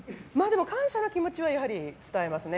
感謝の気持ちはやはり伝えますね。